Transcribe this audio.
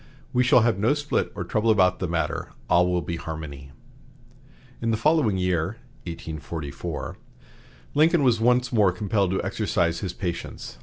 We shall have no split or trouble about the matter; all will be harmony." In the following year (1844) Lincoln was once more compelled to exercise his patience.